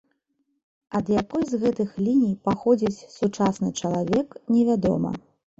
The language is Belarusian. Ад якой з гэтых ліній паходзіць сучасны чалавек, невядома.